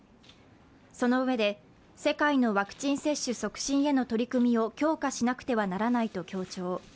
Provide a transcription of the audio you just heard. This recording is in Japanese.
そのうえで、世界のワクチン接種促進への取り組みを強化しなくてはならないと強調。